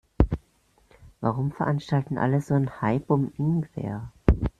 Warum veranstalten alle so einen Hype um Ingwer?